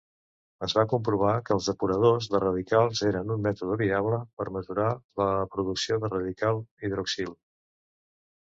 Es va comprovar que els depuradors de radicals eren un mètode viable per mesurar la producció de radical hidroxil.